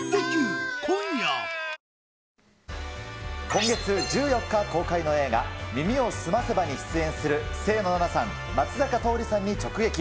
今月１４日公開の映画、耳をすませばに出演する清野菜名さん、松坂桃李さんに直撃。